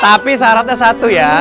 tapi syaratnya satu ya